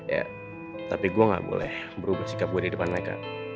ya tapi gue gak boleh berubah sikap gue di depan mereka